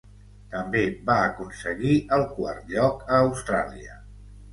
També va aconseguir el quart lloc a Austràlia.